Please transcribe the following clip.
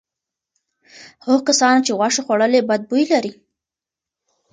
هغو کسانو چې غوښه خوړلې بد بوی لري.